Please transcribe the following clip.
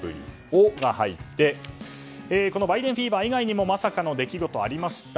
「オ」が入ってバイデンフィーバー以外にもまさかの出来事が入りました。